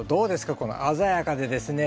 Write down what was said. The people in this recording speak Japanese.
この鮮やかでですね